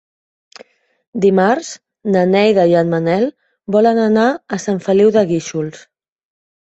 Dimarts na Neida i en Manel volen anar a Sant Feliu de Guíxols.